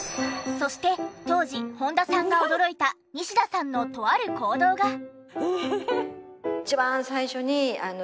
そして当時本田さんが驚いた西田さんのとある行動が。